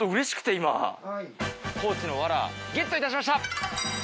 高知のワラゲットいたしました。